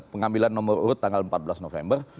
pengambilan nomor urut tanggal empat belas november